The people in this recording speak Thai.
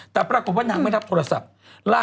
แต่ปรากฏว่านางไม่รับโทรศัพท์